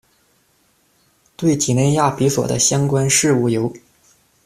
对几内亚比索的相关事务由。